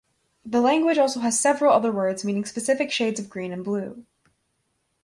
The language also has several other words meaning specific shades of green and blue.